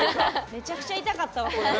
めちゃくちゃ痛かったわ。